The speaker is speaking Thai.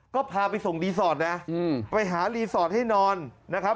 ก็พาไปส่งรีสอร์ทนะไปหารีสอร์ทให้นอนนะครับ